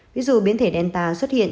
ví dụ biến thể delta xuất hiện